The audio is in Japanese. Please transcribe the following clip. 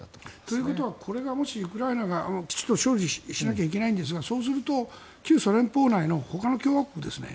ということはこれがもしウクライナが勝利しなきゃいけないんですがそうすると旧ソ連邦内のほかの共和国ですね。